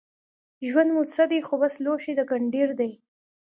ژوند مو څه دی خو بس لوښی د ګنډېر دی